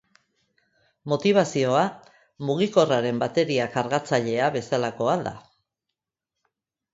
Motibazioa mugikorraren bateria kargatzailea bezalakoa da.